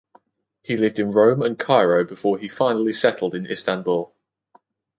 He lived in Rome and Cairo before he finally settled in Istanbul.